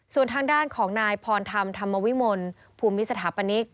ส่วนทางด้านของนายพรธรรมธรรมวิมลภูมิสถาปนิก